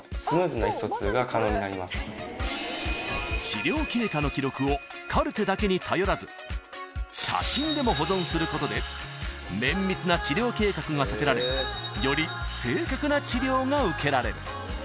［治療経過の記録をカルテだけに頼らず写真でも保存することで綿密な治療計画が立てられより正確な治療が受けられる］